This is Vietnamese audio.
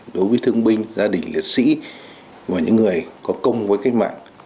đối với thương binh gia đình liệt sĩ và những người có công với cách mạng